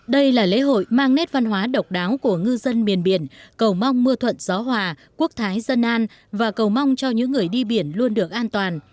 đây là lễ hội mang nét văn hóa độc đáo của ngư dân miền biển cầu mong mưa thuận gió hòa quốc thái dân an và cầu mong cho những người đi biển luôn được an toàn